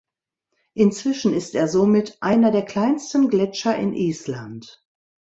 Inzwischen ist er somit einer der kleinsten Gletscher in Island.